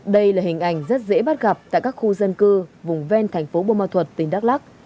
đây là hình ảnh rất dễ bắt gặp tại các khu dân cư vùng ven thành phố bùa ma thuật tỉnh đắk lắc